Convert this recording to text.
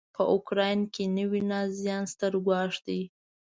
په اوکراین کې نوي نازیان ستر ګواښ دی.